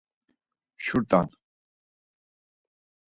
Mşurt̆an.